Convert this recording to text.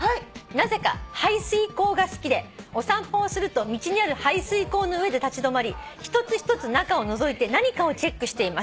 なぜか排水溝が好きでお散歩をすると道にある排水溝の上で立ち止まり一つ一つ中をのぞいて何かをチェックしています」